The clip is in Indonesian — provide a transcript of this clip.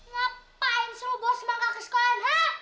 ngapain suruh bos mongka ke sekolah